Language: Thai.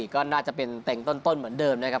ก็น่าจะเป็นเต็งต้นเหมือนเดิมนะครับ